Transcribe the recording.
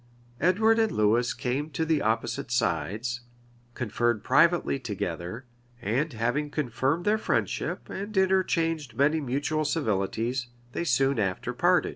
Edward and Lewis came to the opposite sides; conferred privately together; and having confirmed their friendship, and interchanged many mutual civilities, they soon after parted.